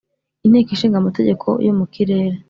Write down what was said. inteko ishinga amategeko yo mu kirere,